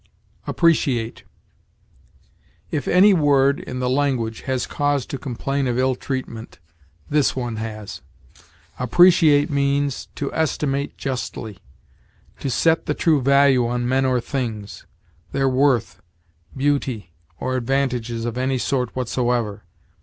APPRECIATE. If any word in the language has cause to complain of ill treatment, this one has. Appreciate means, to estimate justly to set the true value on men or things, their worth, beauty, or advantages of any sort whatsoever.